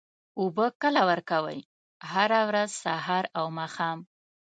اوبه کله ورکوئ؟ هره ورځ، سهار او ماښام